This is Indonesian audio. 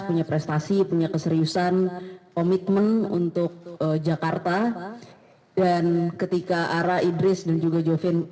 punya prestasi punya keseriusan komitmen untuk jakarta dan ketika ara idris dan juga jovin